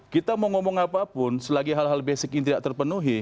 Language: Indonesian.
kita mau ngomong apapun selagi hal hal basic ini tidak terpenuhi